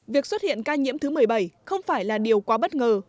việc xuất hiện ca nhiễm thứ một mươi bảy không phải là điều quá bất ngờ